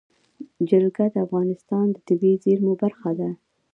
جلګه د افغانستان د طبیعي زیرمو برخه ده.